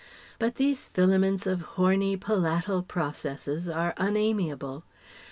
But these filaments of horny palatal processes are unamiable.